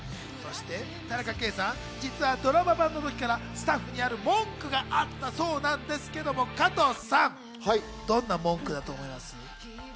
田中圭さん、実はドラマ版の時からスタッフにある文句があったそうなんですが、加藤さん、どんな文句だと思う？